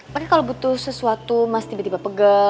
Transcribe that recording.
padahal kalau butuh sesuatu mas tiba tiba pegel